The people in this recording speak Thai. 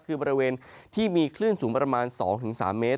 คือบริเวณที่มีคลื่นสูงประมาณ๒๓เมตร